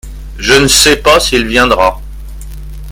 Je ne sais pas s’il viendra.